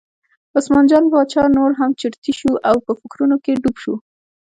عثمان جان باچا نور هم چرتي شو او په فکرونو کې ډوب شو.